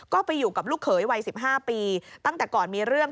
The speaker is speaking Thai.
ก็ไปอยู่กับลูกเขยวัย๑๕ปีตั้งแต่ก่อนมีเรื่อง